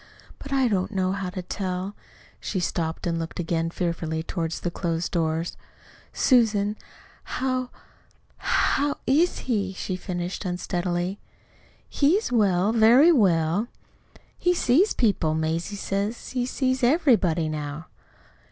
But I don't know how to tell " She stopped, and looked again fearfully toward the closed doors. "Susan, how how IS he?" she finished unsteadily. "He's well very well." "He sees people Mazie says he sees everybody now."